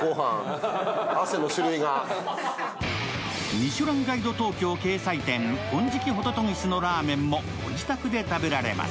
「ミシュランガイド東京」掲載店、金色不如帰のラーメンもご自宅で食べられます。